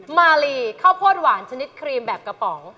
มาลีข้าวโพดหวานชนิดครีมแบบกระป๋อง